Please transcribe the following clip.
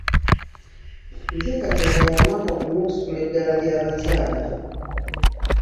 Nteekateeka ya mwaka gumu okusitula eddaala ly'abakyala.